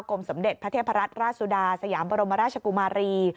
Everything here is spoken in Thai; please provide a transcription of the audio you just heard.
สมเด็จพระเทพรัตนราชสุดาสยามบรมราชกุมารี